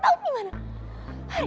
kalau sampai rumah tau gimana